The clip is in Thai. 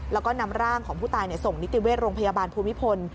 แล้วก็นำร่างของผู้ตายส่งนิติเวชโรงพยาบาลภูมิพล